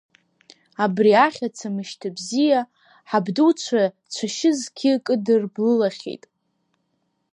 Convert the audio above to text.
Абри ахьаца мышьҭабзиа, ҳабдуцәа цәашьы зқьы кыдырблылахьеит.